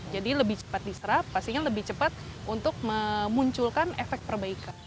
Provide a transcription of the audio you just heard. jadi lebih cepat diserap pastinya lebih cepat untuk memunculkan efek perbaikan